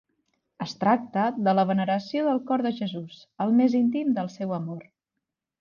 Es tracta de la veneració del Cor de Jesús, el més íntim del seu amor.